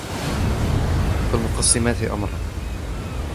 فالمقسمات أمرا